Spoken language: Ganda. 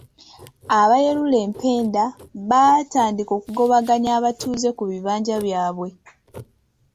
Abayerula empenda baatandika okugobaganya abatuuze ku bibanja byabwe